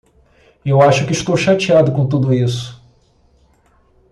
Eu acho que estou chateado com tudo isso.